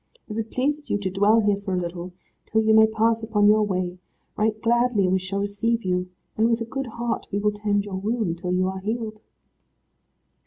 If it pleases you to dwell here for a little, till you may pass upon your way, right gladly we shall receive you, and with a good heart we will tend your wound, till you are healed."